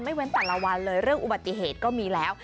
เว้นแต่ละวันเลยเรื่องอุบัติเหตุก็มีแล้ว